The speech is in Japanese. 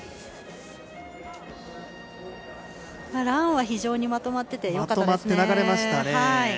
ランは非常にまとまっててよかったですね。